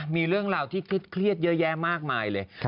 มีเรื่องราวที่เครียดเยอะแยะมากมายเลย